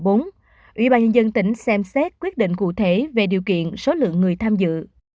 ủy ban nhân dân tỉnh xem xét quyết định cụ thể về điều kiện số lượng người tham dự